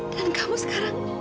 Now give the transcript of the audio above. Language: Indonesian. dan kamu sekarang